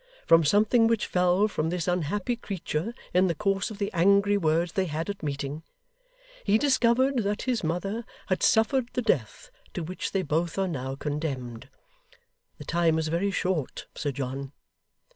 From something which fell from this unhappy creature in the course of the angry words they had at meeting, he discovered that his mother had suffered the death to which they both are now condemned. The time is very short, Sir John.